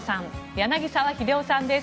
柳澤秀夫さんです。